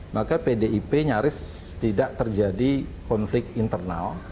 maka pdip nyaris tidak terjadi konflik internal